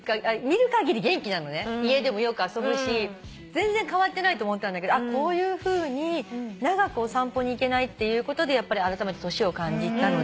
全然変わってないと思ったんだけどこういうふうに長くお散歩に行けないってことであらためて年を感じたので。